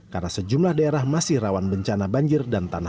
karena sejumlah daerah masih rawan bencana banjir dan tanam